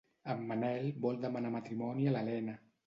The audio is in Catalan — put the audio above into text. En Manel vol demanar matrimoni a l'Elena.